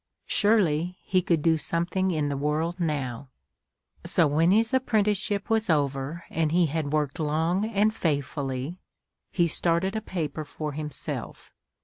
Surely, he could do something in the world now; so when his apprenticeship was over and he had worked long and faithfully, he started a paper for himself.